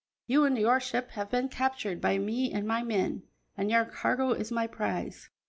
You and your ship have been captured by me and my men, and your cargo is my prize.